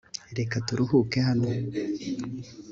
reka turuhuke hano